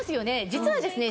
実はですね